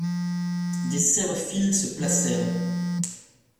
Des serre-files se placèrent.